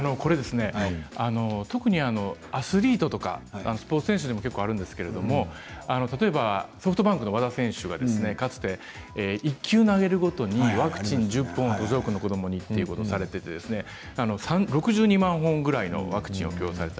特にアスリートやスポーツ選手もあるんですけれど例えばソフトバンクの和田選手がかつて１球投げるごとにワクチンを１０本、寄付をするということをされていて６２万本ぐらいのワクチンを寄付されました。